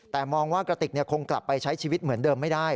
แต่มองว่ากระติกคงกลับไปใช้ชีวิตเหมือนเดิมไม่ได้